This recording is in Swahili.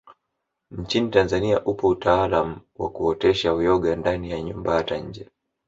Nchini Tanzania upo utaalamu wakuotesha uyoga ndani ya nyumba hata nje